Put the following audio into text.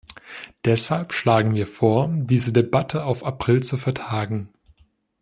Deshalb schlagen wir vor, diese Debatte auf April zu vertagen.